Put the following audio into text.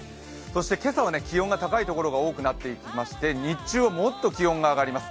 今朝は気温が高いところが多くなっていまして日中はもっと気温が上がります。